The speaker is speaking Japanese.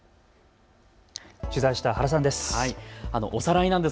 取材した原さんです。